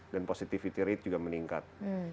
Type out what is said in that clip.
dan positivity rate juga meningkat